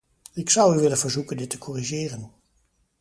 Ik zou u willen verzoeken dit te corrigeren.